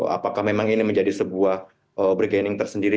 apakah memang ini menjadi sebuah brigaining tersendiri